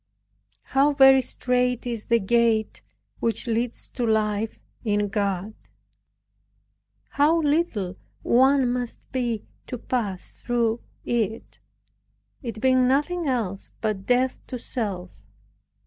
How very straight is the gate which leads to a life in God! How little one must be to pass through it, it being nothing else but death to self!